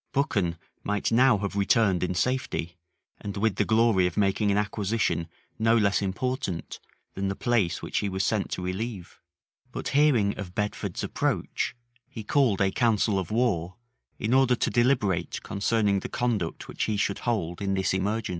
[*] Buchan might now have returned in safety, and with the glory of making an acquisition no less important than the place which he was sent to relieve: but hearing of Bedford's approach, he called a council of war, in order to deliberate concerning the conduct which he should hold in this emergence.